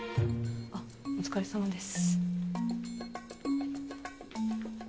あっお疲れさまです。